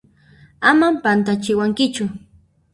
Aman pantachiwankichu!